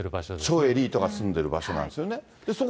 超エリートが住んでいる場所なんですよね。